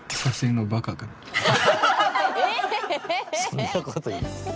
そんなこと言う！